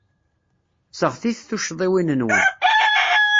Seɣtit tuccḍiwin-nwen.